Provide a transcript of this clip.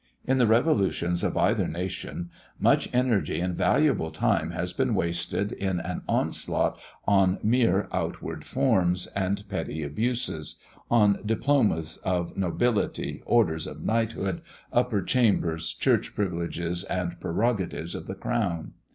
In the revolutions of either nation, much energy and valuable time has been wasted in an onslaught on mere outward forms and petty abuses, on diplomas of nobility, orders of knighthood, upper chambers, church privileges, and prerogatives of the crown.